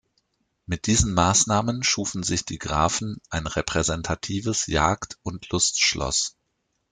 Mit diesen Maßnahmen schufen sich die Grafen ein repräsentatives Jagd- und Lustschloss.